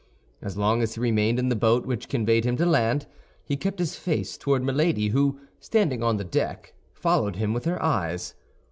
As long as he remained in the boat which conveyed him to land, he kept his face toward Milady, who, standing on the deck, followed him with her eyes.